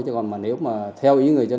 chứ còn nếu mà theo ý người dân